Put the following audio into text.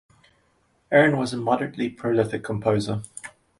Arne was a moderately prolific composer.